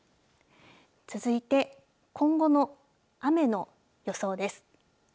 続いて今後の雨の予想です。